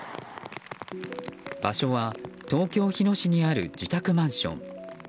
場所は、東京・日野市にある自宅マンション。